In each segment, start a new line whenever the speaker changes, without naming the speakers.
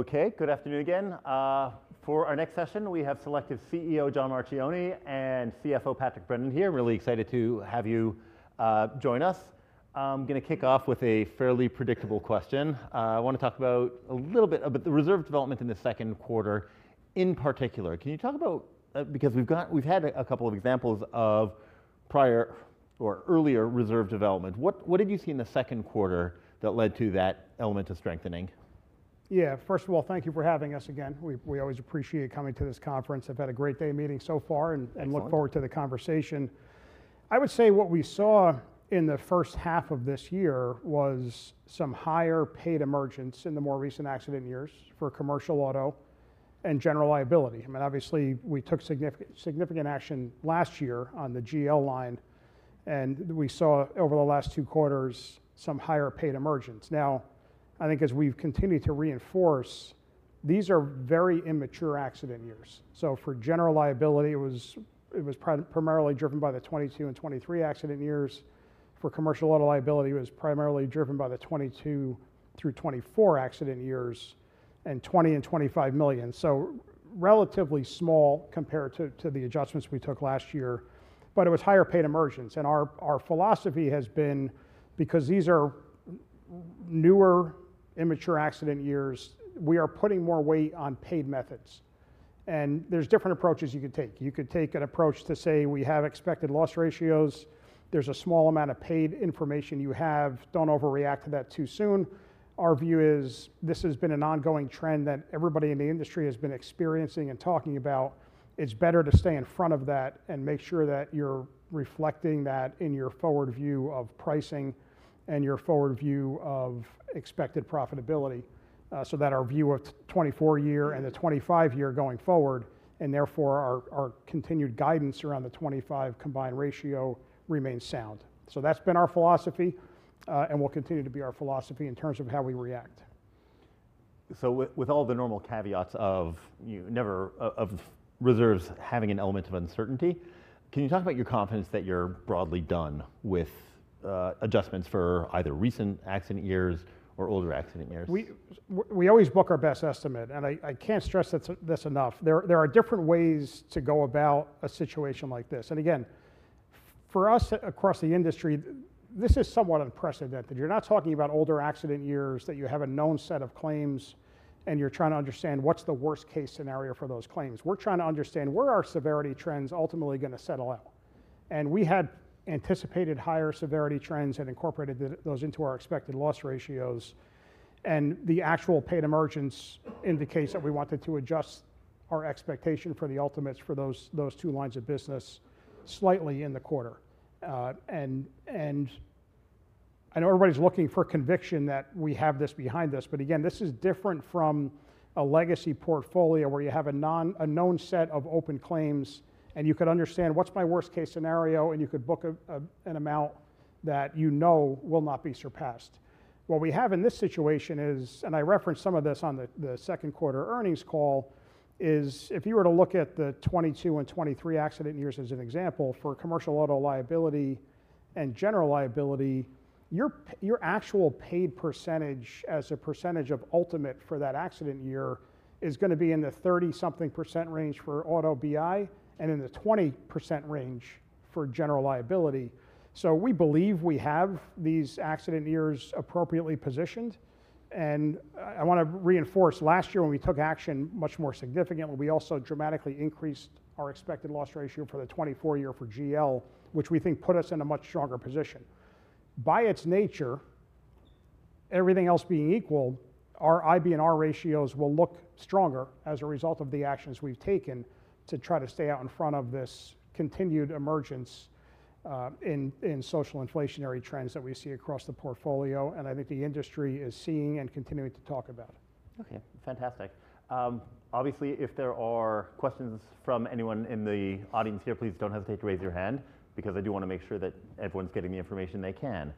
Okay, good afternoon again. For our next session, we have Selective CEO John Marchioni and CFO Patrick Brennan here. Really excited to have you join us. I'm gonna kick off with a fairly predictable question. I wanna talk about a little bit of the reserve development in the second quarter in particular. Can you talk about, because we've got, we've had a couple of examples of prior or earlier reserve development. What, what did you see in the second quarter that led to that element of strengthening?
Yeah, first of all, thank you for having us again. We always appreciate coming to this conference. I've had a great day meeting so far and look forward to the conversation. I would say what we saw in the first half of this year was some higher paid emergence in the more recent accident years for Commercial Auto and General Liability. I mean, obviously we took significant action last year on the GL line, and we saw over the last two quarters some higher paid emergence. Now, I think as we've continued to reinforce, these are very immature accident years. So for General Liability, it was primarily driven by the 2022 and 2023 accident years. For commercial auto liability, it was primarily driven by the 2022 through 2024 accident years and $20 and $25 million. So relatively small compared to the adjustments we took last year, but it was higher paid emergence. And our philosophy has been, because these are newer, immature accident years, we are putting more weight on paid methods. And there's different approaches you could take. You could take an approach to say we have expected loss ratios. There's a small amount of paid information you have. Don't overreact to that too soon. Our view is this has been an ongoing trend that everybody in the industry has been experiencing and talking about. It's better to stay in front of that and make sure that you're reflecting that in your forward view of pricing and your forward view of expected profitability, so that our view of 2024 year and the 2025 year going forward, and therefore our continued guidance around the 2025 combined ratio remains sound. So that's been our philosophy, and will continue to be our philosophy in terms of how we react. So, with all the normal caveats of, you know, reserves having an element of uncertainty, can you talk about your confidence that you're broadly done with adjustments for either recent accident years or older accident years? We always book our best estimate, and I can't stress this enough. There are different ways to go about a situation like this. And again, for us across the industry, this is somewhat unprecedented. You're not talking about older accident years that you have a known set of claims, and you're trying to understand what's the worst-case scenario for those claims. We're trying to understand where our severity trends ultimately gonna settle out. And we had anticipated higher severity trends and incorporated those into our expected loss ratios. And the actual paid emergence in the case that we wanted to adjust our expectation for the ultimates for those two lines of business slightly in the quarter. I know everybody's looking for conviction that we have this behind us, but again, this is different from a legacy portfolio where you have a known set of open claims, and you could understand what's my worst-case scenario, and you could book an amount that you know will not be surpassed. What we have in this situation is, and I referenced some of this on the second quarter earnings call, is if you were to look at the 2022 and 2023 accident years as an example for commercial auto liability and general liability, your actual paid percentage as a percentage of ultimate for that accident year is gonna be in the 30-something% range for Auto BI and in the 20% range for general liability. So we believe we have these accident years appropriately positioned. I wanna reinforce last year when we took action much more significantly, we also dramatically increased our expected loss ratio for the 2024 year for GL, which we think put us in a much stronger position. By its nature, everything else being equal, our IBNR ratios will look stronger as a result of the actions we've taken to try to stay out in front of this continued emergence, in social inflation trends that we see across the portfolio, and I think the industry is seeing and continuing to talk about. Okay, fantastic. Obviously, if there are questions from anyone in the audience here, please don't hesitate to raise your hand because I do wanna make sure that everyone's getting the information they can.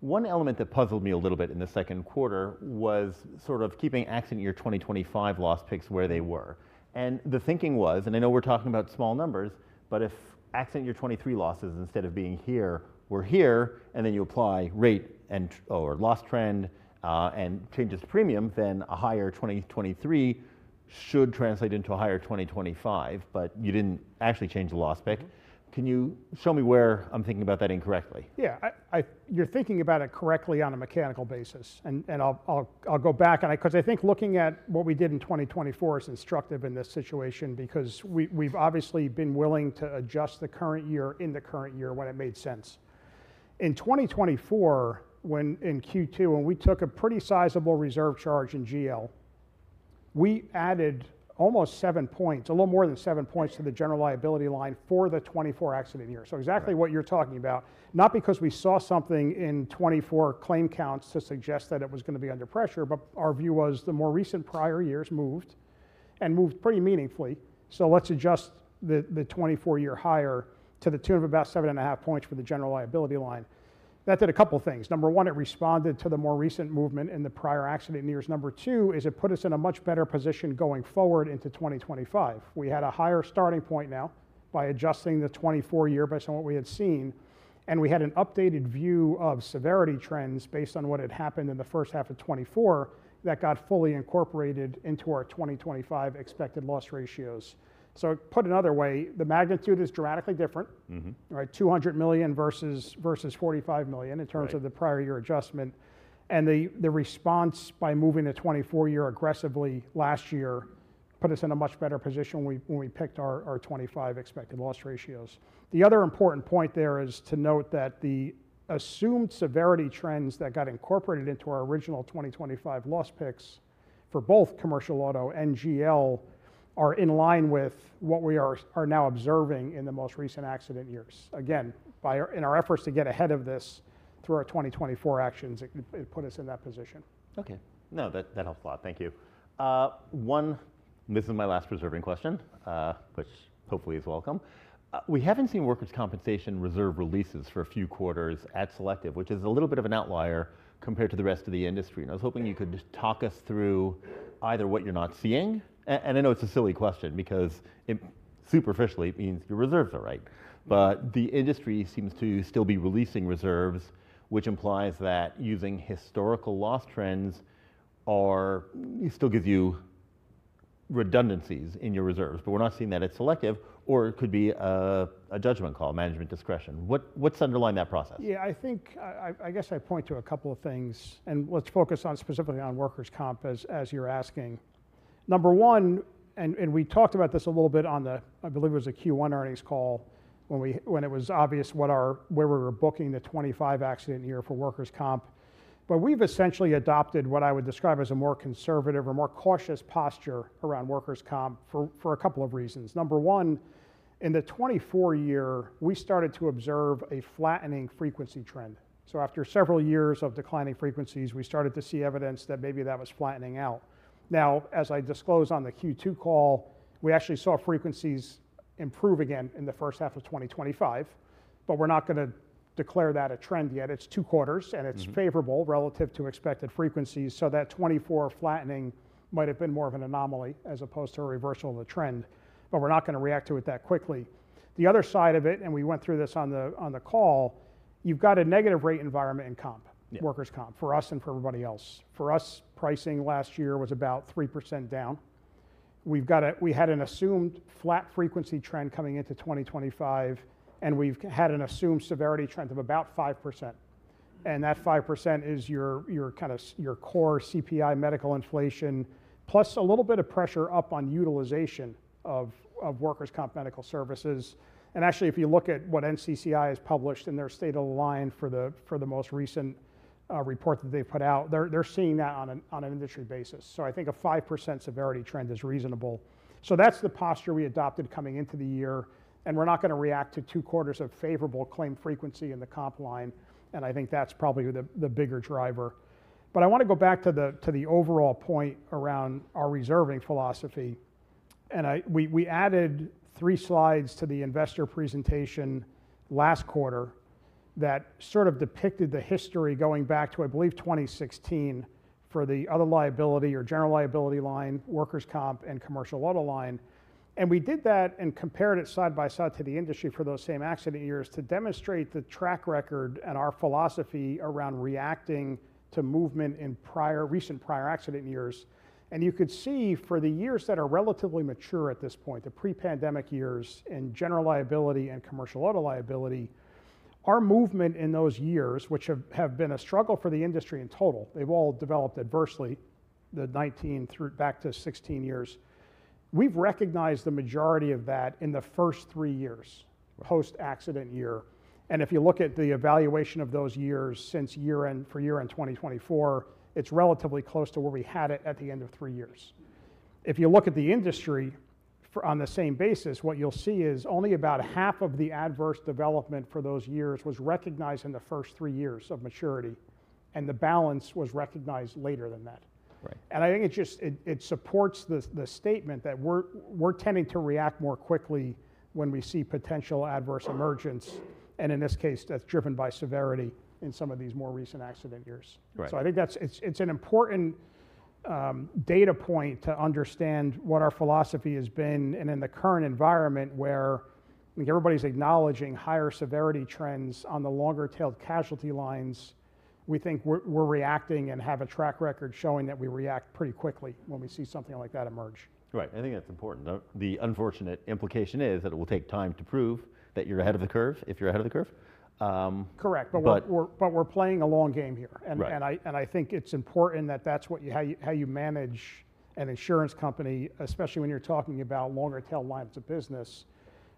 One element that puzzled me a little bit in the second quarter was sort of keeping accident year 2025 loss picks where they were. And the thinking was, and I know we're talking about small numbers, but if accident year 2023 losses instead of being here, were here, and then you apply rate and, or loss trend, and changes to premium, then a higher 2023 should translate into a higher 2025, but you didn't actually change the loss pick. Can you show me where I'm thinking about that incorrectly? Yeah, you're thinking about it correctly on a mechanical basis. I'll go back, 'cause I think looking at what we did in 2024 is instructive in this situation because we've obviously been willing to adjust the current year in the current year when it made sense. In 2024, in Q2, when we took a pretty sizable reserve charge in GL, we added almost seven points, a little more than seven points to the general liability line for the 2024 accident year. Exactly what you're talking about, not because we saw something in 2024 claim counts to suggest that it was gonna be under pressure, but our view was the more recent prior years moved pretty meaningfully. So let's adjust the 2024 year higher to the tune of about seven and a half points for the general liability line. That did a couple of things. Number one, it responded to the more recent movement in the prior accident years. Number two is it put us in a much better position going forward into 2025. We had a higher starting point now by adjusting the 2024 year based on what we had seen, and we had an updated view of severity trends based on what had happened in the first half of 2024 that got fully incorporated into our 2025 expected loss ratios. So put another way, the magnitude is dramatically different. Mm-hmm. Right? $200 million versus $45 million in terms of the prior year adjustment. The response by moving the 2024 year aggressively last year put us in a much better position when we picked our 2025 expected loss ratios. The other important point there is to note that the assumed severity trends that got incorporated into our original 2025 loss picks for both commercial auto and GL are in line with what we are now observing in the most recent accident years. Again, in our efforts to get ahead of this through our 2024 actions, it put us in that position. Okay. No, that, that helps a lot. Thank you. One, this is my last pressing question, which hopefully is welcome. We haven't seen Workers' Compensation reserve releases for a few quarters at Selective, which is a little bit of an outlier compared to the rest of the industry. I was hoping you could talk us through either what you're not seeing, and, and I know it's a silly question because it superficially means your reserves are right, but the industry seems to still be releasing reserves, which implies that using historical loss trends are, you still gives you redundancies in your reserves, but we're not seeing that at Selective or it could be a, a judgment call, management discretion. What, what's underlying that process? Yeah, I think, I guess I point to a couple of things, and let's focus specifically on workers' comp as you're asking. Number one, and we talked about this a little bit on the, I believe it was a Q1 earnings call when it was obvious where we were booking the 2025 accident year for workers' comp, but we've essentially adopted what I would describe as a more conservative or more cautious posture around workers' comp for a couple of reasons. Number one, in the 2024 year, we started to observe a flattening frequency trend. So after several years of declining frequencies, we started to see evidence that maybe that was flattening out. Now, as I disclosed on the Q2 call, we actually saw frequencies improve again in the first half of 2025, but we're not gonna declare that a trend yet. It's two quarters, and it's favorable relative to expected frequencies. So that 2024 flattening might have been more of an anomaly as opposed to a reversal of the trend, but we're not gonna react to it that quickly. The other side of it, and we went through this on the call, you've got a negative rate environment in comp. Yeah. Workers' comp for us and for everybody else. For us, pricing last year was about 3% down. We had an assumed flat frequency trend coming into 2025, and we've had an assumed severity trend of about 5%. And that 5% is your kind of core CPI, medical inflation, plus a little bit of pressure up on utilization of workers' comp medical services. And actually, if you look at what NCCI has published in their State of the Line for the most recent report that they've put out, they're seeing that on an industry basis. So I think a 5% severity trend is reasonable. So that's the posture we adopted coming into the year, and we're not gonna react to two quarters of favorable claim frequency in the comp line. And I think that's probably the bigger driver. But I wanna go back to the overall point around our reserving philosophy. We added three slides to the investor presentation last quarter that sort of depicted the history going back to, I believe, 2016 for the other liability or general liability line, workers' comp and commercial auto line. We did that and compared it side by side to the industry for those same accident years to demonstrate the track record and our philosophy around reacting to movement in recent prior accident years. You could see for the years that are relatively mature at this point, the pre-pandemic years and general liability and commercial auto liability, our movement in those years, which have been a struggle for the industry in total, they've all developed adversely, the 2019 through back to 2016 years. We've recognized the majority of that in the first three years post-accident year, and if you look at the evaluation of those years since year-end, for year-end 2024, it's relatively close to where we had it at the end of three years. If you look at the industry overall on the same basis, what you'll see is only about half of the adverse development for those years was recognized in the first three years of maturity, and the balance was recognized later than that. Right. And I think it just supports the statement that we're tending to react more quickly when we see potential adverse development, and in this case, that's driven by severity in some of these more recent accident years. Right. So I think that's an important data point to understand what our philosophy has been. And in the current environment where I think everybody's acknowledging higher severity trends on the longer-tailed casualty lines, we think we're reacting and have a track record showing that we react pretty quickly when we see something like that emerge. Right. I think that's important. The unfortunate implication is that it will take time to prove that you're ahead of the curve if you're ahead of the curve. Correct. But we're playing a long game here. Right. I think it's important that that's how you manage an insurance company, especially when you're talking about longer-tailed lines of business.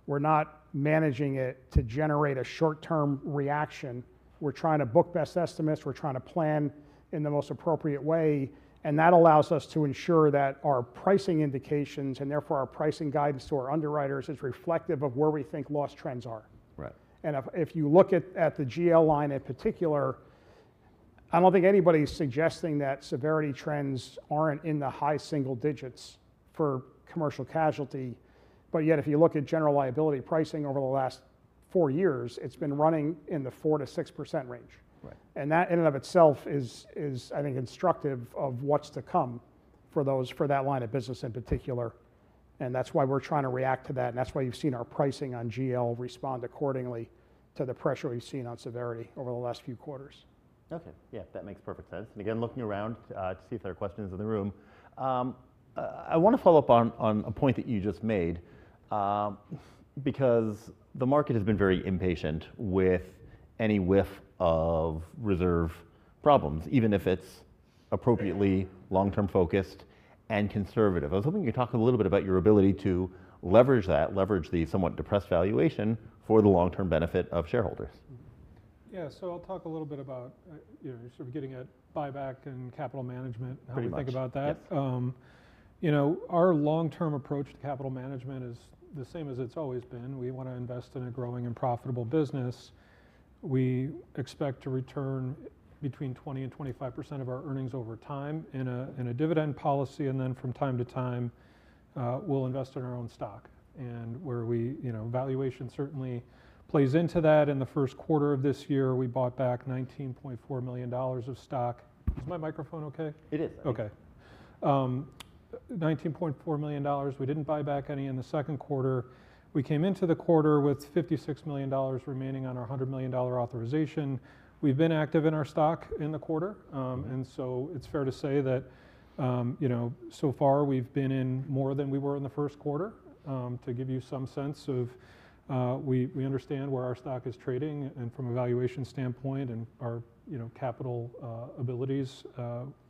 We're not managing it to generate a short-term reaction. We're trying to book best estimates. We're trying to plan in the most appropriate way. That allows us to ensure that our pricing indications and therefore our pricing guidance to our underwriters is reflective of where we think loss trends are. Right. If you look at the GL line in particular, I don't think anybody's suggesting that severity trends aren't in the high single digits for commercial casualty. But yet, if you look at general liability pricing over the last four years, it's been running in the 4%-6% range. Right. That in and of itself is, I think, instructive of what's to come for those, for that line of business in particular. That's why we're trying to react to that. That's why you've seen our pricing on GL respond accordingly to the pressure we've seen on severity over the last few quarters. Okay. Yeah, that makes perfect sense. And again, looking around, to see if there are questions in the room, I wanna follow up on, on a point that you just made, because the market has been very impatient with any whiff of reserve problems, even if it's appropriately long-term focused and conservative. I was hoping you could talk a little bit about your ability to leverage that, leverage the somewhat depressed valuation for the long-term benefit of shareholders.
Yeah. So I'll talk a little bit about, you know, sort of getting at buyback and capital management. Pretty much. How we think about that. You know, our long-term approach to capital management is the same as it's always been. We wanna invest in a growing and profitable business. We expect to return between 20%-25% of our earnings over time in a dividend policy. And then from time to time, we'll invest in our own stock. And where we, you know, valuation certainly plays into that. In the first quarter of this year, we bought back $19.4 million of stock. Is my microphone okay? It is. Okay. $19.4 million. We didn't buy back any in the second quarter. We came into the quarter with $56 million remaining on our $100 million authorization. We've been active in our stock in the quarter, and so it's fair to say that, you know, so far we've been in more than we were in the first quarter, to give you some sense of, we understand where our stock is trading and from a valuation standpoint and our, you know, capital abilities,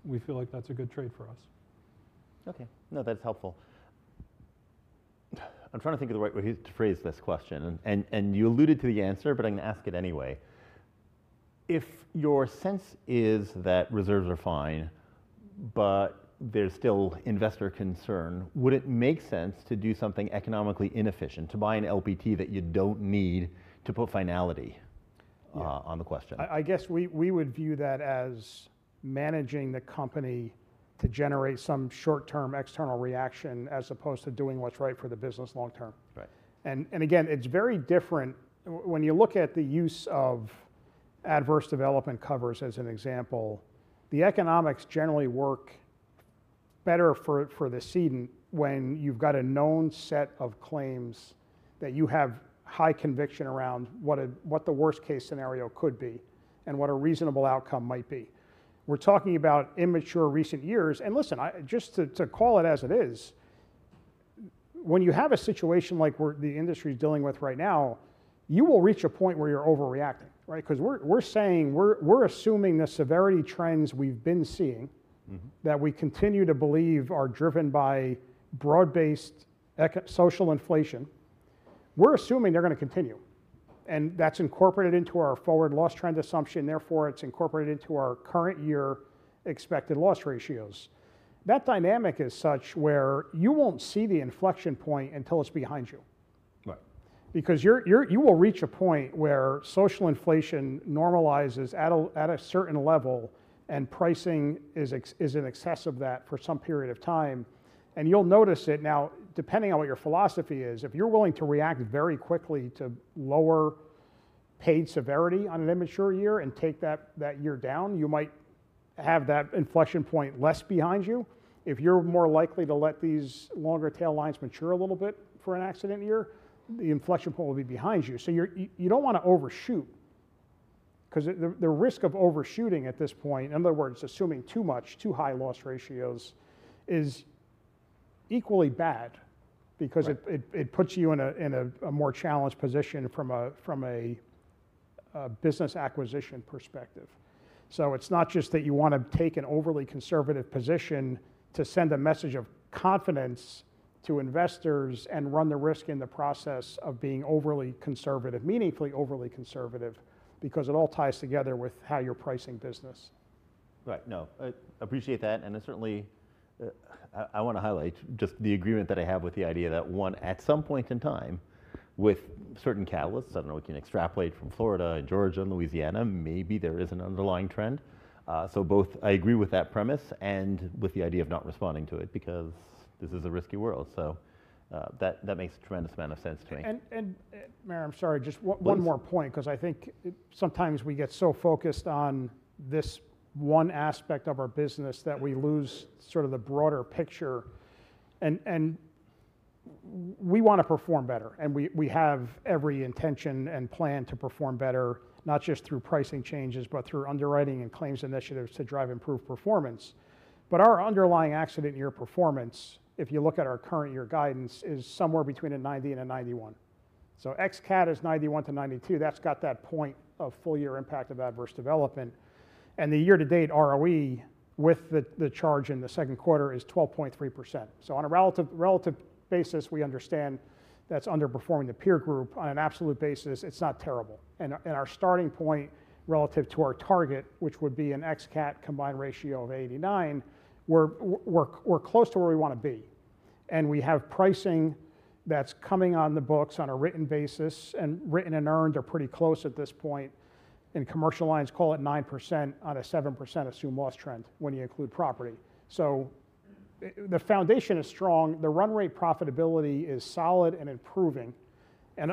we feel like that's a good trade for us. Okay. No, that's helpful. I'm trying to think of the right way to phrase this question. You alluded to the answer, but I'm gonna ask it anyway. If your sense is that reserves are fine, but there's still investor concern, would it make sense to do something economically inefficient, to buy an LPT that you don't need to put finality on the question?
I guess we would view that as managing the company to generate some short-term external reaction as opposed to doing what's right for the business long-term. Right. Again, it's very different. When you look at the use of adverse development covers as an example, the economics generally work better for the cedent when you've got a known set of claims that you have high conviction around what the worst-case scenario could be and what a reasonable outcome might be. We're talking about immature recent years. Listen, I just to call it as it is, when you have a situation like where the industry's dealing with right now, you will reach a point where you're overreacting, right? 'Cause we're assuming the severity trends we've been seeing. Mm-hmm. That we continue to believe are driven by broad-based social inflation. We're assuming they're gonna continue. And that's incorporated into our forward loss trend assumption. Therefore, it's incorporated into our current year expected loss ratios. That dynamic is such where you won't see the inflection point until it's behind you. Right. Because you will reach a point where social inflation normalizes at a certain level and pricing is in excess of that for some period of time. You'll notice it now, depending on what your philosophy is, if you're willing to react very quickly to lower paid severity on an immature year and take that year down, you might have that inflection point less behind you. If you're more likely to let these longer-tailed lines mature a little bit for an accident year, the inflection point will be behind you. You don't wanna overshoot 'cause the risk of overshooting at this point, in other words, assuming too much, too high loss ratios is equally bad because it puts you in a more challenged position from a business acquisition perspective. So it's not just that you wanna take an overly conservative position to send a message of confidence to investors and run the risk in the process of being overly conservative, meaningfully overly conservative, because it all ties together with how you're pricing business. Right. No, I appreciate that. And I certainly, I wanna highlight just the agreement that I have with the idea that one, at some point in time with certain catalysts, I don't know if you can extrapolate from Florida and Georgia and Louisiana, maybe there is an underlying trend. So both I agree with that premise and with the idea of not responding to it because this is a risky world. So, that makes a tremendous amount of sense to me. Man, I'm sorry, just one more point. Yeah. Cause I think sometimes we get so focused on this one aspect of our business that we lose sort of the broader picture. We wanna perform better, and we have every intention and plan to perform better, not just through pricing changes, but through underwriting and claims initiatives to drive improved performance. Our underlying accident year performance, if you look at our current year guidance, is somewhere between 90 and 91. Ex-cat is 91-92. That's got that point of full year impact of adverse development. The year-to-date ROE with the charge in the second quarter is 12.3%. On a relative basis, we understand that's underperforming the peer group. On an absolute basis, it's not terrible. Our starting point relative to our target, which would be an Ex-cat combined ratio of 89, we're close to where we wanna be. We have pricing that's coming on the books on a written basis, and written and earned are pretty close at this point. Commercial lines call it 9% on a 7% assumed loss trend when you include property. The foundation is strong. The run-rate profitability is solid and improving.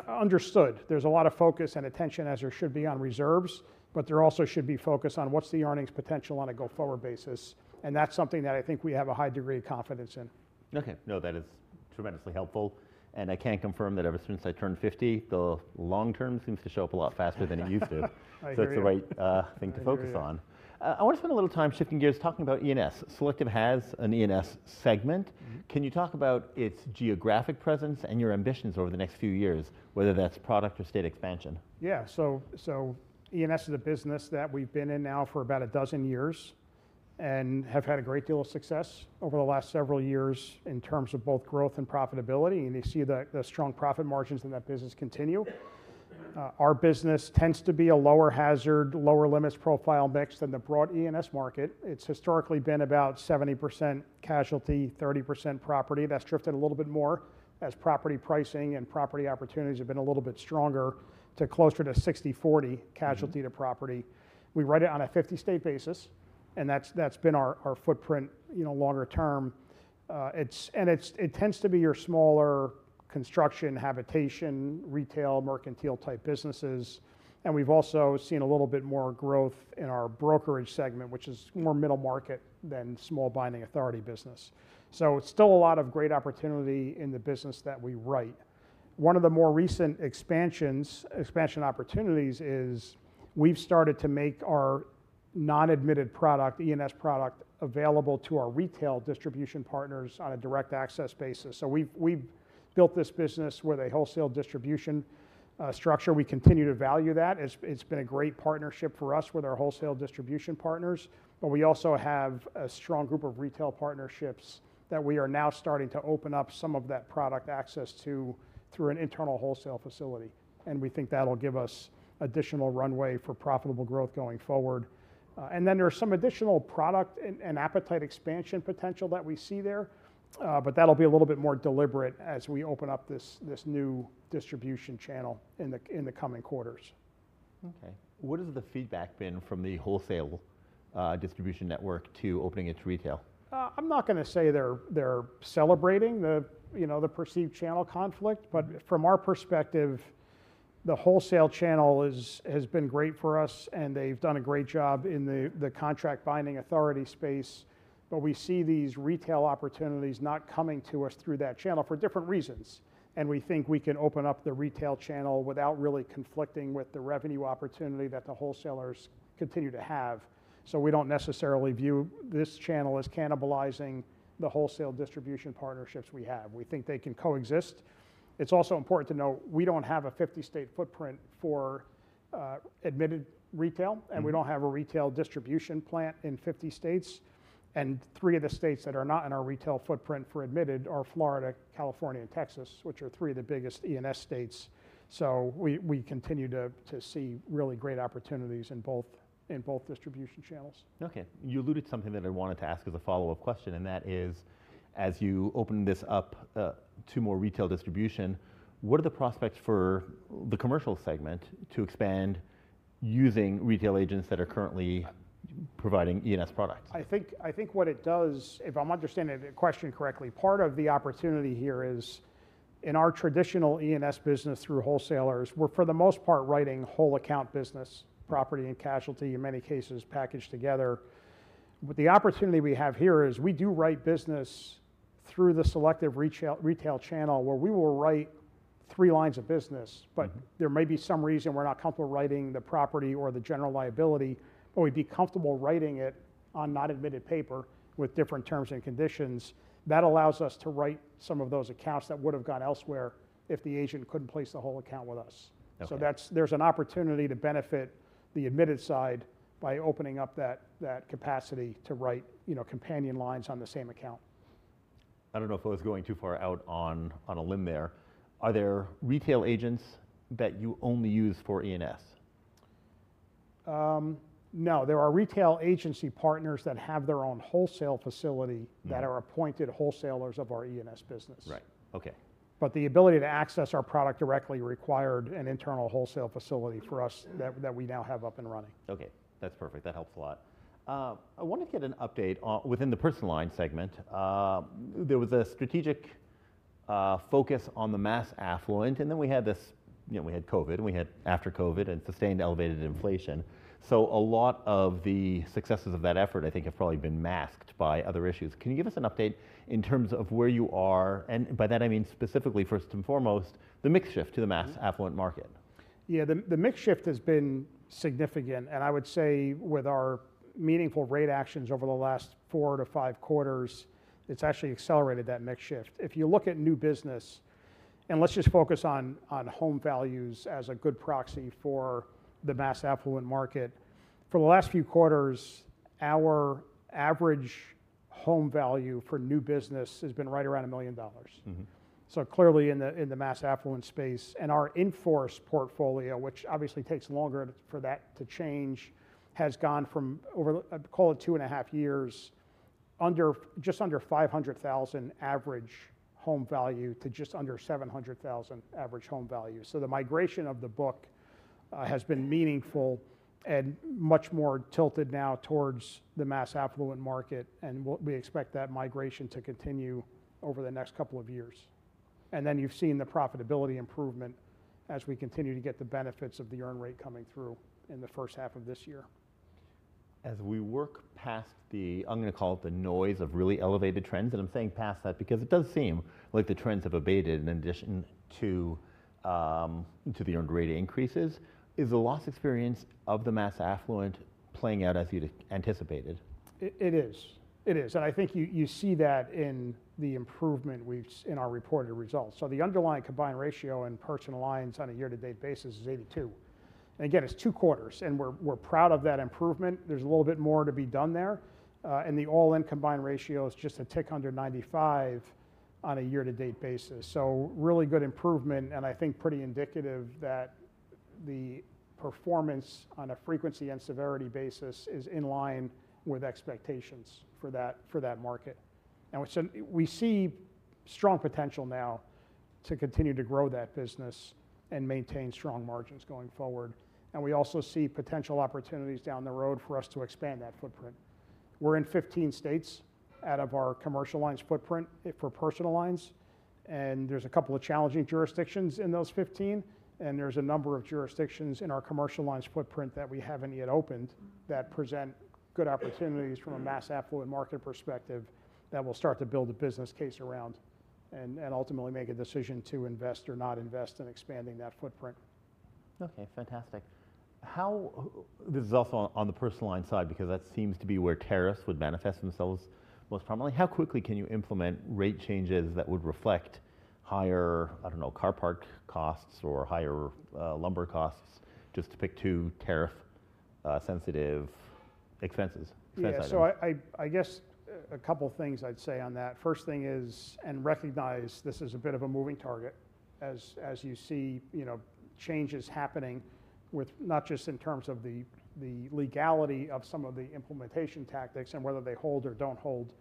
Understood, there's a lot of focus and attention, as there should be on reserves, but there also should be focus on what's the earnings potential on a go-forward basis. That's something that I think we have a high degree of confidence in. Okay. No, that is tremendously helpful. And I can confirm that ever since I turned 50, the long-term seems to show up a lot faster than it used to. I agree. So it's the right thing to focus on. I wanna spend a little time shifting gears, talking about E&S. Selective has an E&S segment. Can you talk about its geographic presence and your ambitions over the next few years, whether that's product or state expansion? Yeah. So E&S is a business that we've been in now for about a dozen years and have had a great deal of success over the last several years in terms of both growth and profitability. And you see the strong profit margins in that business continue. Our business tends to be a lower-hazard, lower-limits profile mix than the broad E&S market. It's historically been about 70% casualty, 30% property. That's drifted a little bit more as property pricing and property opportunities have been a little bit stronger to closer to 60/40 casualty to property. We write it on a 50-state basis, and that's been our footprint, you know, longer term. It's, and it tends to be your smaller construction, habitation, retail, mercantile-type businesses. We’ve also seen a little bit more growth in our brokerage segment, which is more middle market than small binding authority business. So it’s still a lot of great opportunity in the business that we write. One of the more recent expansions, expansion opportunities is we’ve started to make our non-admitted product, E&S product, available to our retail distribution partners on a direct access basis. So we’ve built this business with a wholesale distribution, structure. We continue to value that. It’s been a great partnership for us with our wholesale distribution partners. But we also have a strong group of retail partnerships that we are now starting to open up some of that product access to through an internal wholesale facility. We think that’ll give us additional runway for profitable growth going forward. And then there's some additional product and appetite expansion potential that we see there. But that'll be a little bit more deliberate as we open up this new distribution channel in the coming quarters. Okay. What has the feedback been from the wholesale, distribution network to opening its retail? I'm not gonna say they're celebrating the, you know, the perceived channel conflict. But from our perspective, the wholesale channel has been great for us, and they've done a great job in the contract binding authority space. But we see these retail opportunities not coming to us through that channel for different reasons. And we think we can open up the retail channel without really conflicting with the revenue opportunity that the wholesalers continue to have. So we don't necessarily view this channel as cannibalizing the wholesale distribution partnerships we have. We think they can coexist. It's also important to note we don't have a 50-state footprint for admitted retail, and we don't have a retail distribution plant in 50-states. Three of the states that are not in our retail footprint for admitted are Florida, California, and Texas, which are three of the biggest E&S states. So we continue to see really great opportunities in both distribution channels. Okay. You alluded to something that I wanted to ask as a follow-up question, and that is, as you open this up, to more retail distribution, what are the prospects for the commercial segment to expand using retail agents that are currently providing E&S products? I think, I think what it does, if I'm understanding the question correctly, part of the opportunity here is in our traditional E&S business through wholesalers, we're for the most part writing whole account business, property and casualty, in many cases packaged together. But the opportunity we have here is we do write business through the Selective retail channel where we will write three lines of business. But there may be some reason we're not comfortable writing the property or the general liability, but we'd be comfortable writing it on non-admitted paper with different terms and conditions. That allows us to write some of those accounts that would've gone elsewhere if the agent couldn't place the whole account with us. Okay. So that's. There's an opportunity to benefit the admitted side by opening up that capacity to write, you know, companion lines on the same account. I don't know if I was going too far out on a limb there. Are there retail agents that you only use for E&S? No. There are retail agency partners that have their own wholesale facility that are appointed wholesalers of our E&S business. Right. Okay. But the ability to access our product directly required an internal wholesale facility for us that we now have up and running. Okay. That's perfect. That helps a lot. I wanna get an update on within the Personal Line segment. There was a strategic focus on the Mass Affluent, and then we had this, you know, we had COVID, and we had after COVID and sustained elevated inflation. So a lot of the successes of that effort, I think, have probably been masked by other issues. Can you give us an update in terms of where you are? And by that, I mean specifically, first and foremost, the mix shift to the Mass Affluent market. Yeah. The mix shift has been significant. And I would say with our meaningful rate actions over the last four to five quarters, it's actually accelerated that mix shift. If you look at new business, and let's just focus on home values as a good proxy for the Mass Affluent market, for the last few quarters, our average home value for new business has been right around $1 million. Mm-hmm. So clearly in the Mass Affluent space, and our in-force portfolio, which obviously takes longer for that to change, has gone from over, I call it two and a half years, just under $500,000 average home value to just under $700,000 average home value. So the migration of the book has been meaningful and much more tilted now towards the Mass Affluent market. And we expect that migration to continue over the next couple of years. And then you've seen the profitability improvement as we continue to get the benefits of the earn rate coming through in the first half of this year. As we work past the, I'm gonna call it the noise of really elevated trends, and I'm saying past that because it does seem like the trends have abated in addition to the earned rate increases. Is the loss experience of the Mass Affluent playing out as you'd anticipated? It is. It is. And I think you see that in the improvement we've seen in our reported results. So the underlying combined ratio in Personal Lines on a year-to-date basis is 82%. And again, it's two quarters, and we're proud of that improvement. There's a little bit more to be done there, and the all-in combined ratio is just a tick under 95% on a year-to-date basis. So really good improvement, and I think pretty indicative that the performance on a frequency and severity basis is in line with expectations for that market. And we see strong potential now to continue to grow that business and maintain strong margins going forward. And we also see potential opportunities down the road for us to expand that footprint. We're in 15 states out of our commercial lines footprint for Personal Lines. There's a couple of challenging jurisdictions in those 15, and there's a number of jurisdictions in our commercial lines footprint that we haven't yet opened that present good opportunities from a Mass Affluent market perspective that will start to build a business case around, and ultimately make a decision to invest or not invest in expanding that footprint. Okay. Fantastic. This is also on the Personal Lines side because that seems to be where tariffs would manifest themselves most prominently. How quickly can you implement rate changes that would reflect higher, I don't know, car parts costs or higher, lumber costs, just to pick two tariff-sensitive expenses, expense items? Yeah. So I guess a couple things I'd say on that. First thing is, and recognize this is a bit of a moving target as you see, you know, changes happening with not just in terms of the legality of some of the implementation tactics and whether they hold or don't hold,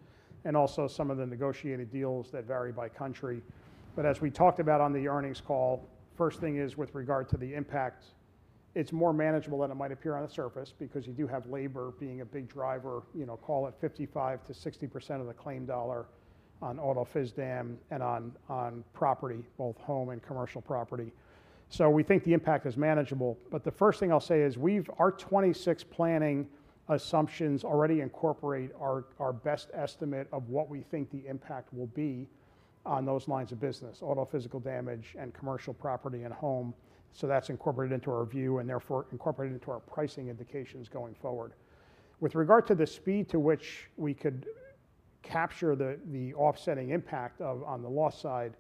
and also some of the negotiated deals that vary by country. But as we talked about on the earnings call, first thing is with regard to the impact, it's more manageable than it might appear on the surface because you do have labor being a big driver, you know, call it 55%-60% of the claim dollar on auto physical damage and on property, both home and commercial property. So we think the impact is manageable. But the first thing I'll say is we've our 2026 planning assumptions already incorporate our best estimate of what we think the impact will be on those lines of business, auto physical damage and commercial property and home. So that's incorporated into our view and therefore incorporated into our pricing indications going forward. With regard to the speed to which we could capture the offsetting impact on the loss side,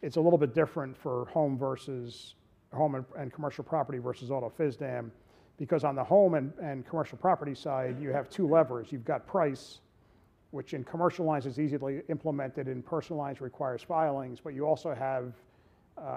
it's a little bit different for home versus commercial property versus auto physical damage because on the home and commercial property side, you have two levers. You've got price, which in commercial lines is easily implemented in Personal Lines requires filings, but you also have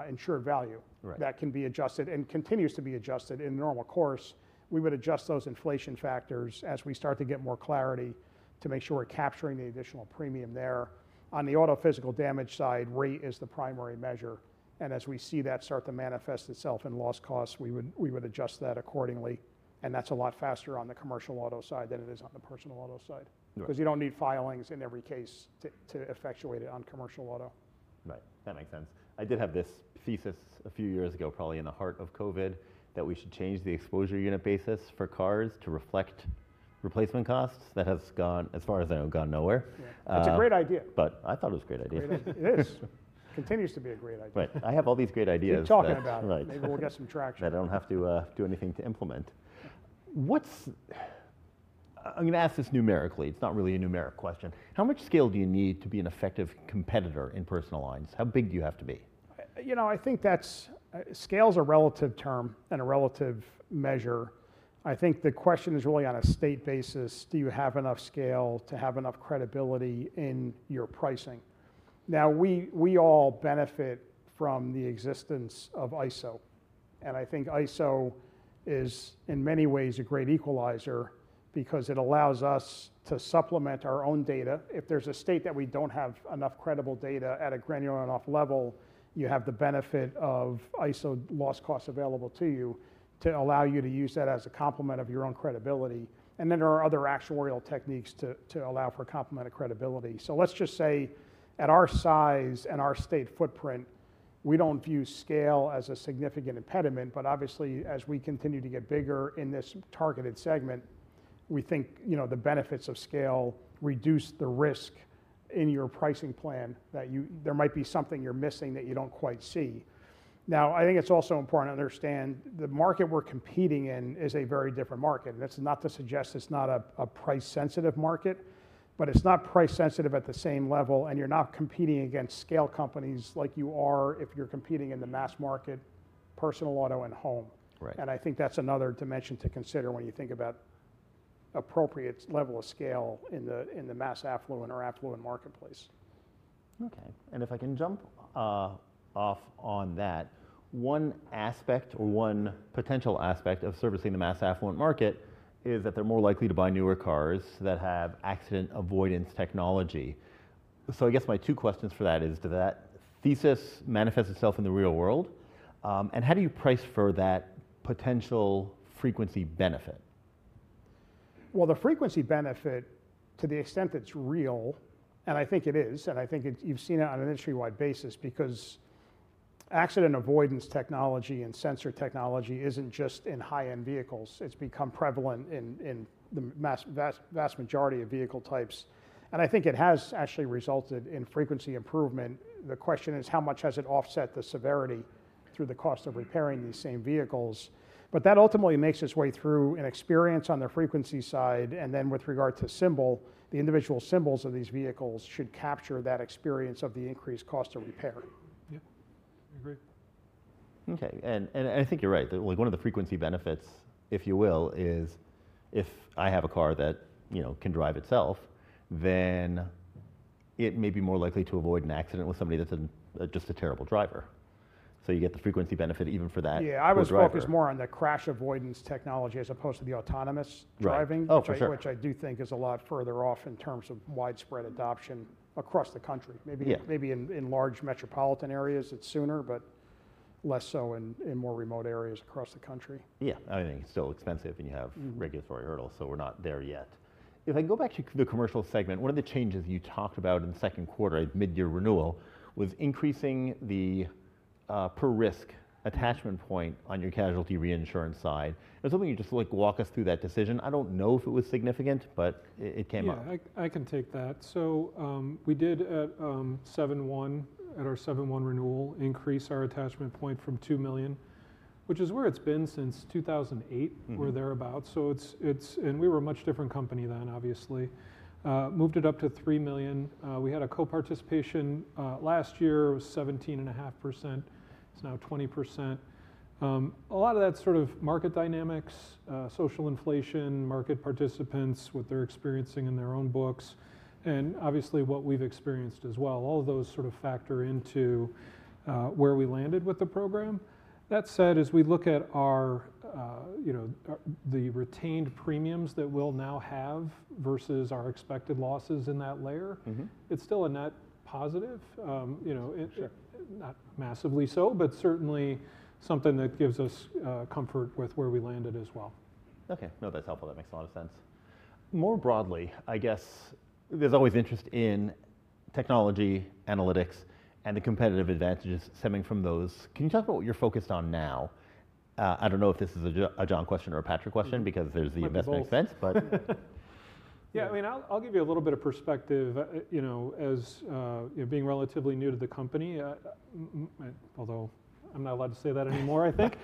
insured value. Right. That can be adjusted and continues to be adjusted in normal course. We would adjust those inflation factors as we start to get more clarity to make sure we're capturing the additional premium there. On the auto physical damage side, rate is the primary measure. And as we see that start to manifest itself in loss costs, we would adjust that accordingly. And that's a lot faster on the commercial auto side than it is on the personal auto side. Right. Cause you don't need filings in every case to effectuate it on Commercial Auto. Right. That makes sense. I did have this thesis a few years ago, probably in the heart of COVID, that we should change the exposure unit basis for cars to reflect replacement costs that has gone, as far as I know, gone nowhere. Yeah. It's a great idea. I thought it was a great idea. It is. Continues to be a great idea. Right. I have all these great ideas. You're talking about. Right. Maybe we'll get some traction. That I don't have to do anything to implement. What? I'm gonna ask this numerically. It's not really a numeric question. How much scale do you need to be an effective competitor in Personal Lines? How big do you have to be? You know, I think that's scale is a relative term and a relative measure. I think the question is really on a state basis, do you have enough scale to have enough credibility in your pricing? Now, we all benefit from the existence of ISO. And I think ISO is in many ways a great equalizer because it allows us to supplement our own data. If there's a state that we don't have enough credible data at a granular enough level, you have the benefit of ISO loss costs available to you to allow you to use that as a complement of your own credibility. And then there are other actuarial techniques to allow for complementary credibility. So let's just say at our size and our state footprint, we don't view scale as a significant impediment. But obviously, as we continue to get bigger in this targeted segment, we think, you know, the benefits of scale reduce the risk in your pricing plan that you there might be something you're missing that you don't quite see. Now, I think it's also important to understand the market we're competing in is a very different market. And that's not to suggest it's not a price-sensitive market, but it's not price-sensitive at the same level. And you're not competing against scale companies like you are if you're competing in the mass market, personal auto and home. Right. And I think that's another dimension to consider when you think about appropriate level of scale in the Mass Affluent or affluent marketplace. Okay. And if I can jump off on that, one aspect or one potential aspect of servicing the Mass Affluent market is that they're more likely to buy newer cars that have accident avoidance technology. So I guess my two questions for that is, does that thesis manifest itself in the real world? And how do you price for that potential frequency benefit? The frequency benefit, to the extent that it's real, and I think it is, and I think it, you've seen it on an industry-wide basis because accident avoidance technology and sensor technology isn't just in high-end vehicles. It's become prevalent in the vast, vast majority of vehicle types. And I think it has actually resulted in frequency improvement. The question is, how much has it offset the severity through the cost of repairing these same vehicles? But that ultimately makes its way through the experience on the frequency side. And then with regard to symbol, the individual symbols of these vehicles should capture that experience of the increased cost of repair.
Yeah. I agree. Okay. And I think you're right. Like one of the frequency benefits, if you will, is if I have a car that, you know, can drive itself, then it may be more likely to avoid an accident with somebody that's a, just a terrible driver. So you get the frequency benefit even for that.
Yeah. I was focused more on the crash avoidance technology as opposed to the autonomous driving. Right. Okay. Which I do think is a lot further off in terms of widespread adoption across the country. Yeah. Maybe in large metropolitan areas it's sooner, but less so in more remote areas across the country. Yeah. I think it's still expensive and you have regulatory hurdles. So we're not there yet. If I go back to the commercial segment, one of the changes you talked about in the second quarter mid-year renewal was increasing the per-risk attachment point on your casualty reinsurance side. And something you just like walk us through that decision. I don't know if it was significant, but it came up.
Yeah. I can take that. So, we did 7/1 at our 7/1 renewal increase our attachment point from $2 million, which is where it's been since 2008. Mm-hmm. We're there about. So it's, and we were a much different company then, obviously. Moved it up to $3 million. We had a co-participation, last year was 17.5%. It's now 20%. A lot of that's sort of market dynamics, social inflation, market participants, what they're experiencing in their own books, and obviously what we've experienced as well. All of those sort of factor into where we landed with the program. That said, as we look at our, you know, our retained premiums that we'll now have versus our expected losses in that layer. Mm-hmm. It's still a net positive. You know. Sure. Not massively so, but certainly something that gives us comfort with where we landed as well. Okay. No, that's helpful. That makes a lot of sense. More broadly, I guess there's always interest in technology, analytics, and the competitive advantages stemming from those. Can you talk about what you're focused on now? I don't know if this is a John question or a Patrick question because there's the investment expense, but. Yeah. I mean, I'll give you a little bit of perspective. You know, as you know, being relatively new to the company, although I'm not allowed to say that anymore, I think.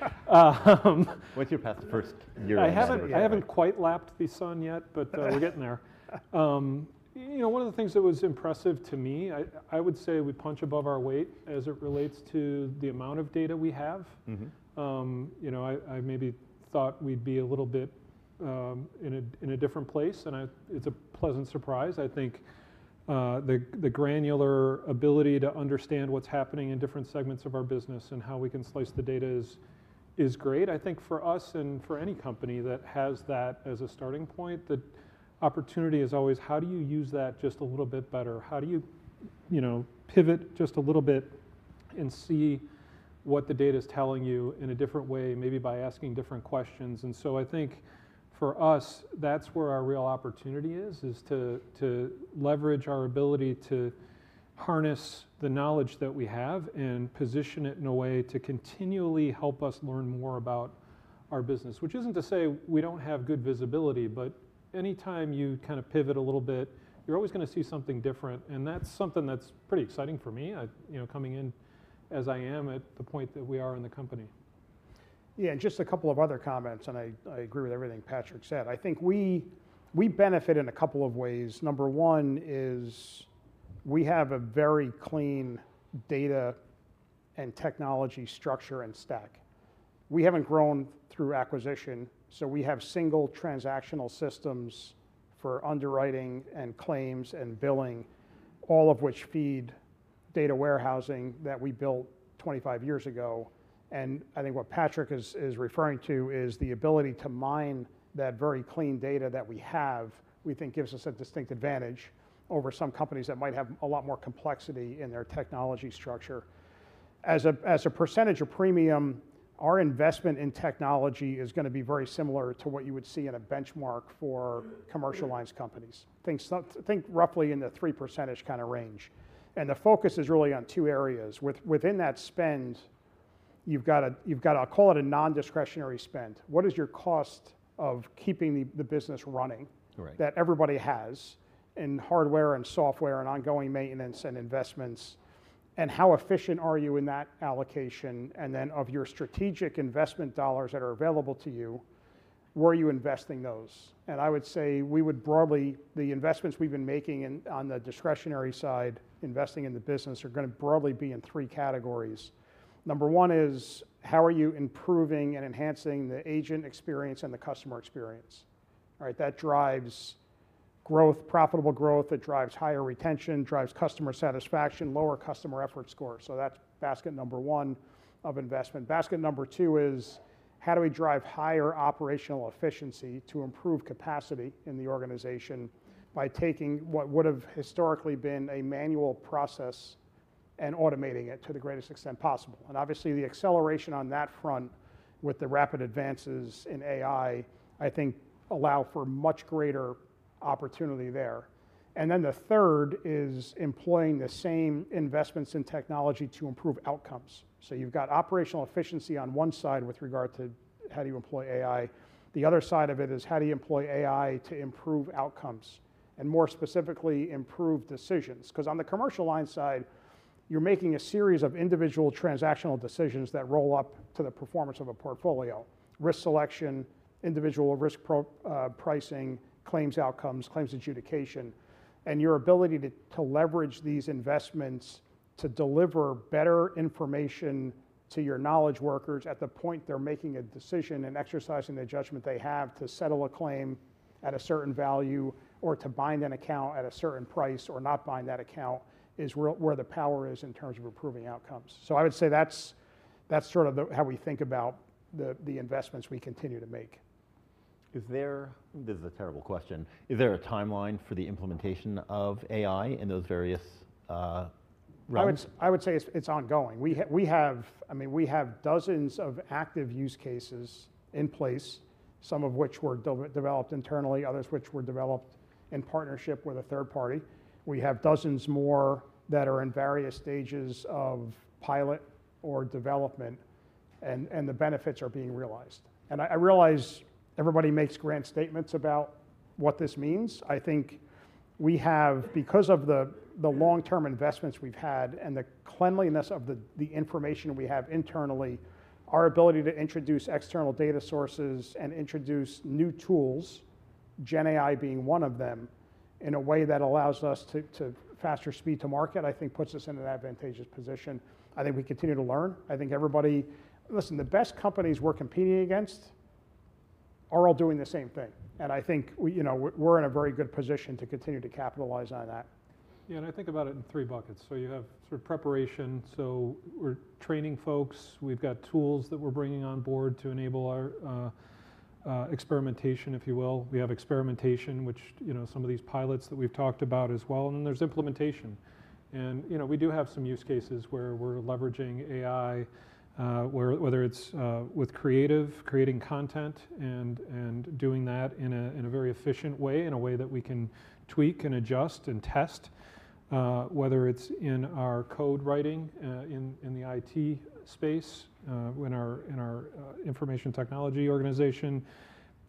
What's your past first year? I haven't quite lapped the sun yet, but we're getting there. You know, one of the things that was impressive to me, I would say we punch above our weight as it relates to the amount of data we have. Mm-hmm. You know, I maybe thought we'd be a little bit in a different place. It's a pleasant surprise. I think the granular ability to understand what's happening in different segments of our business and how we can slice the data is great. I think for us and for any company that has that as a starting point, the opportunity is always how do you use that just a little bit better? How do you, you know, pivot just a little bit and see what the data is telling you in a different way, maybe by asking different questions? I think for us, that's where our real opportunity is to leverage our ability to harness the knowledge that we have and position it in a way to continually help us learn more about our business, which isn't to say we don't have good visibility, but anytime you kind of pivot a little bit, you're always gonna see something different. That's something that's pretty exciting for me, you know, coming in as I am at the point that we are in the company.
Yeah. And just a couple of other comments, and I agree with everything Patrick said. I think we benefit in a couple of ways. Number one is we have a very clean data and technology structure and stack. We haven't grown through acquisition. So we have single transactional systems for underwriting and claims and billing, all of which feed data warehousing that we built 25 years ago. And I think what Patrick is referring to is the ability to mine that very clean data that we have. We think it gives us a distinct advantage over some companies that might have a lot more complexity in their technology structure. As a percentage of premium, our investment in technology is going to be very similar to what you would see in a benchmark for commercial lines companies. Think roughly in the 3% kind of range. The focus is really on two areas. Within that spend, you've got a, I'll call it a non-discretionary spend. What is your cost of keeping the business running? Right. That everybody has in hardware and software and ongoing maintenance and investments. And how efficient are you in that allocation? And then of your strategic investment dollars that are available to you, where are you investing those? And I would say we would broadly, the investments we've been making in on the discretionary side, investing in the business are gonna broadly be in three categories. Number one is how are you improving and enhancing the agent experience and the customer experience? All right. That drives growth, profitable growth. It drives higher retention, drives customer satisfaction, lower Customer Effort Score. So that's basket number one of investment. Basket number two is how do we drive higher operational efficiency to improve capacity in the organization by taking what would've historically been a manual process and automating it to the greatest extent possible? And obviously the acceleration on that front with the rapid advances in AI, I think allow for much greater opportunity there. And then the third is employing the same investments in technology to improve outcomes. So you've got operational efficiency on one side with regard to how do you employ AI. The other side of it is how do you employ AI to improve outcomes and more specifically improve decisions? Cause on the commercial line side, you're making a series of individual transactional decisions that roll up to the performance of a portfolio: risk selection, individual risk pro, pricing, claims outcomes, claims adjudication, and your ability to leverage these investments to deliver better information to your knowledge workers at the point they're making a decision and exercising the judgment they have to settle a claim at a certain value or to bind an account at a certain price or not bind that account is really where the power is in terms of improving outcomes. So I would say that's sort of the how we think about the investments we continue to make. Is there, this is a terrible question, is there a timeline for the implementation of AI in those various realms? I would say it's ongoing. We have, I mean, we have dozens of active use cases in place, some of which were developed internally, others which were developed in partnership with a third party. We have dozens more that are in various stages of pilot or development, and the benefits are being realized. And I realize everybody makes grand statements about what this means. I think we have, because of the long-term investments we've had and the cleanliness of the information we have internally, our ability to introduce external data sources and introduce new tools, Gen AI being one of them, in a way that allows us to faster speed-to-market, I think puts us in an advantageous position. I think we continue to learn. I think everybody, listen, the best companies we're competing against are all doing the same thing. And I think we, you know, we're in a very good position to continue to capitalize on that.
Yeah, and I think about it in three buckets. So you have sort of preparation. So we're training folks. We've got tools that we're bringing on board to enable our experimentation, if you will. We have experimentation, which, you know, some of these pilots that we've talked about as well. And then there's implementation. And, you know, we do have some use cases where we're leveraging AI, whether it's with creative, creating content and doing that in a very efficient way, in a way that we can tweak and adjust and test, whether it's in our code writing, in the IT space, in our information technology organization.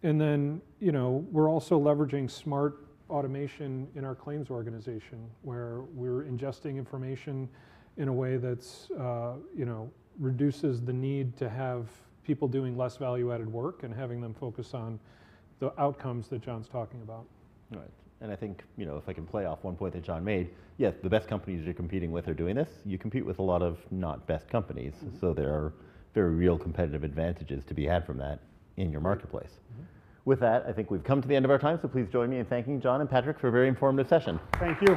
And then, you know, we're also leveraging smart automation in our claims organization where we're ingesting information in a way that's, you know, reduces the need to have people doing less value-added work and having them focus on the outcomes that John's talking about. All right. And I think, you know, if I can play off one point that John made, yes, the best companies you're competing with are doing this. You compete with a lot of not best companies. So there are very real competitive advantages to be had from that in your marketplace. With that, I think we've come to the end of our time. So please join me in thanking John and Patrick for a very informative session. Thank you.